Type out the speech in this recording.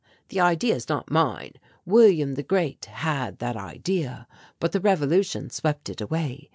The idea is not mine. William the Great had that idea, but the revolution swept it away.